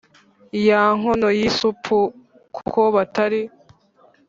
ya nkono y isupu kuko batari